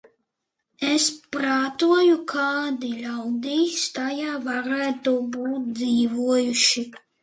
Es prātoju, kādi ļaudis tajā varētu būt dzīvojuši.